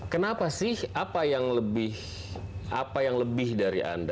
kenapa sih apa yang lebih dari anda